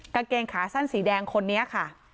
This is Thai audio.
กางเกงขาสั้นสีแดงคนนี้ค่ะ